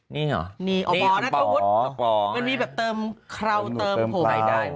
นี่หรอนี่ออกปลอนะมันมีแบบเติมคราวเติมผัว